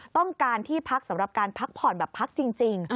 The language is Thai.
ต้องการที่พักสำหรับการพักผ่อนแบบพักจริง